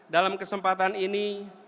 dalam kesempatan ini